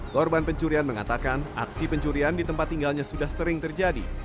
korban pencurian mengatakan aksi pencurian di tempat tinggalnya sudah sering terjadi